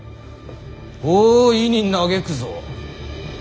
大いに嘆くぞ！